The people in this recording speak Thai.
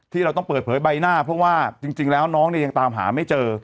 เราต้องเปิดเผยใบหน้าเพราะว่าจริงแล้วน้องเนี่ยยังตามหาไม่เจอ